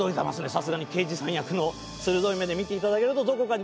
さすがに刑事さん役の鋭い目で見ていただけるとどこかに。